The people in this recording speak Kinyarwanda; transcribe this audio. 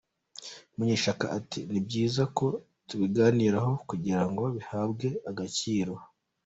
Munyeshyaka ati “Ni byiza ko tubigarukaho kugirango bihabwe agaciro.